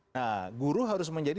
nah guru harus menjadi